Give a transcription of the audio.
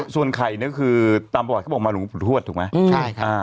ส่วนไข่เนี่ยคือตามประวัติเค้าบอกมาหนูปรุธวชถูกไหม